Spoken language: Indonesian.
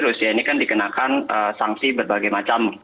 rusia ini kan dikenakan sanksi berbagai macam